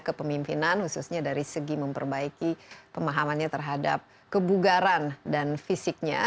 kepemimpinan khususnya dari segi memperbaiki pemahamannya terhadap kebugaran dan fisiknya